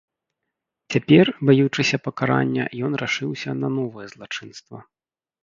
Цяпер, баючыся пакарання, ён рашыўся на новае злачынства.